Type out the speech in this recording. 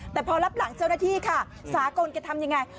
แต่พอรับหลังเจ้าหน้าที่ค่ะสากลแกทำยังไง